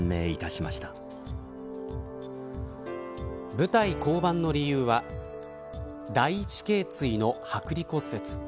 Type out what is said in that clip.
舞台降板の理由は第一頸椎の剥離骨折。